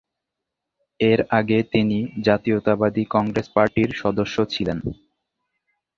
এর আগে তিনি জাতীয়তাবাদী কংগ্রেস পার্টির সদস্য ছিলেন।